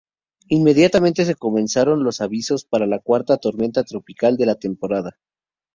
Inmediatamente se comenzaron los avisos para la cuarta tormenta tropical de la temporada.